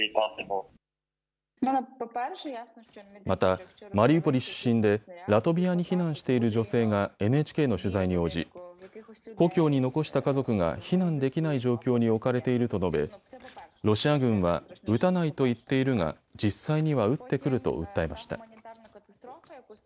また、マリウポリ出身でラトビアに避難している女性がＮＨＫの取材に応じ故郷に残した家族が避難できない状況に置かれていると述べ、ロシア軍は撃たないと言っているが実際には撃ってくると訴えました。